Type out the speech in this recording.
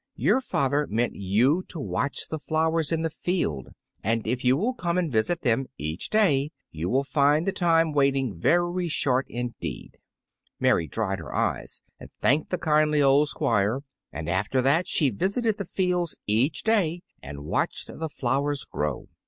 Your father meant you to watch the flowers in the field; and if you will come and visit them each day, you will find the time of waiting very short indeed." Mary dried her eyes and thanked the kindly old Squire, and after that she visited the fields each day and watched the flowers grow.